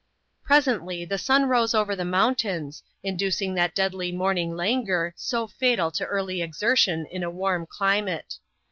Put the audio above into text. Presently, the sun rose over the mountains, inducing that deadly morning languor so fatal to early exertion in a warm climate.